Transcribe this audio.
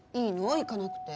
行かなくて。